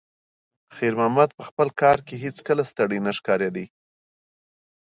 خیر محمد په خپل کار کې هیڅکله ستړی نه ښکارېده.